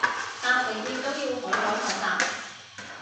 搭地鐵都要好好學習